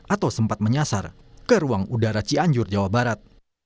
atau sempat menyasar ke ruang udara cianjur jawa barat